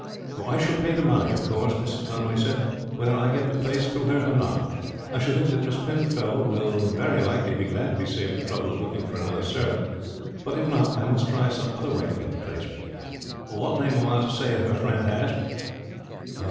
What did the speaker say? "I shall pay the money, of course," Mrs. Conway said, "whether I get the place through her or not. I should think that Miss Penfold will very likely be glad to be saved the trouble of looking for another servant. But, if not, I must try some other way to get the place." "What name am I to say her friend has?"